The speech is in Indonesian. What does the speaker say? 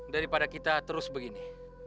daripada kita terus begini